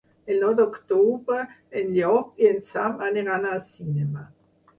El nou d'octubre en Llop i en Sam aniran al cinema.